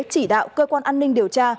chỉ đạo cơ quan an ninh điều tra